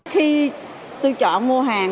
khi tôi chọn mua hàng